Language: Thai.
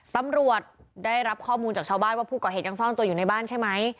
ตำรวจได้รับข้อมูลจากชาวบ้านว่าผู้ก่อเหตุยังซ่อนตัวอยู่ในบ้านใช่ไหม